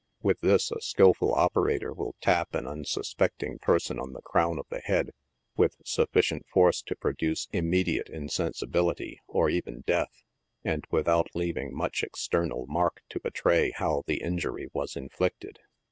With this a skilful operator will tap an unsus pecting person on the crown of the head with sufficient force to pro duce immediate insensibility, or even deatb, and without leaving much external mark to betray how the injury was inflicted.